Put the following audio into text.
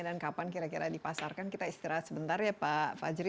dan kapan kira kira dipasarkan kita istirahat sebentar ya pak fajri